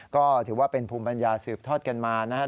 ก็ถือว่าเป็นภูมิปัญญาสืบทอดกันมานะครับ